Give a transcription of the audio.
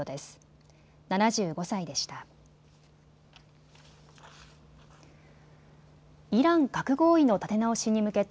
７５歳でした。